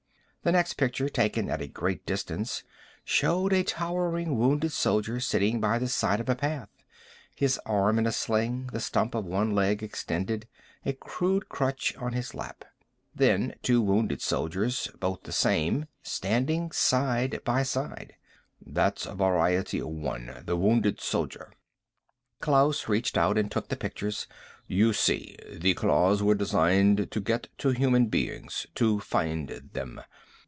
The next pictures, taken at a great distance, showed a towering wounded soldier sitting by the side of a path, his arm in a sling, the stump of one leg extended, a crude crutch on his lap. Then two wounded soldiers, both the same, standing side by side. "That's Variety One. The Wounded Soldier." Klaus reached out and took the pictures. "You see, the claws were designed to get to human beings. To find them.